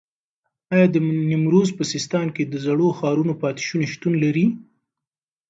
ایا د نیمروز په سیستان کې د زړو ښارونو پاتې شونې شتون لري؟